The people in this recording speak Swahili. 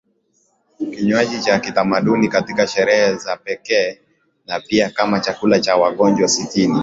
kinywaji cha kitamaduni katika sherehe za pekee na pia kama chakula kwa wagonjwa Sitini